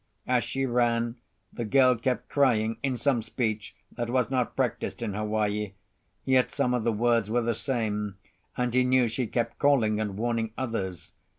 As she ran, the girl kept crying in some speech that was not practised in Hawaii, yet some of the words were the same, and he knew she kept calling and warning others.